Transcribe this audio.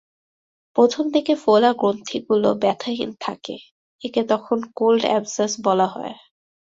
প্রথম দিকে ফোলা গ্রন্থিগুলো ব্যথাহীন থাকে—একে তখন কোল্ড অ্যাবসেস বলা হয়।